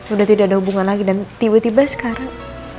udah tidak ada hubungan lagi dan tiba tiba sekarang